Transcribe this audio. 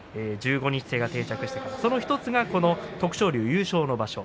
１５日制が定着してその１つがこの徳勝龍優勝の場所。